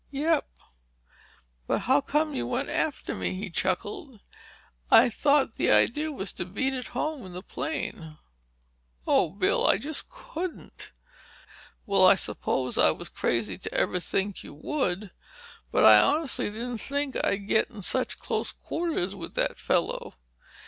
"Yep. But how come you went after me?" he chuckled. "I thought the idea was to beat it home in the plane." "Oh, Bill, I just couldn't!" Bill sat up. "Well, I suppose I was crazy to ever think you would—but I honestly didn't think I'd get into such close quarters with that fellow.